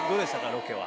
ロケは。